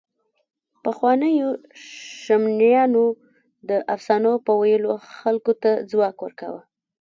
پخوانيو شمنیانو د افسانو په ویلو خلکو ته ځواک ورکاوه.